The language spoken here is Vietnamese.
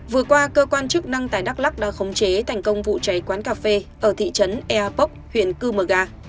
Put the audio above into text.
vừa qua cơ quan chức năng tại đắk lắc đã khống chế thành công vụ cháy quán cà phê ở thị trấn eapok huyện cư mờ ga